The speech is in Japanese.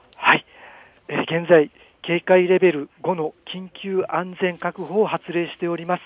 現在、警戒レベル５の緊急安全確保を発令しております。